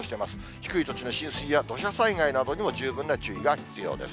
低い土地の浸水や土砂災害などにも十分な注意が必要です。